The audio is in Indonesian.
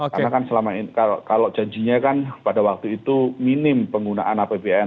karena kan selama ini kalau janjinya kan pada waktu itu minim penggunaan apbn